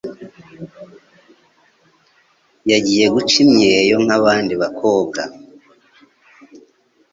yagiye guca imyeyo nkabandi bakobwa